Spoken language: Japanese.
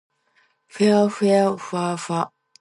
ふぇあふぇわふぇわ